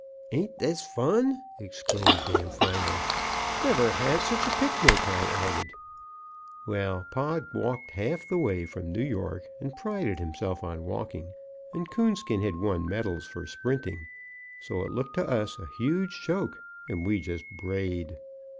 "Ain't this fun!" exclaimed Damfino. "Never had such a picnic!" I added. Well, Pod walked half the way from New York and prided himself on walking, and Coonskin had won medals for sprinting: so it looked to us a huge joke, and we just brayed.